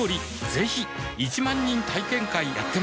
ぜひ１万人体験会やってます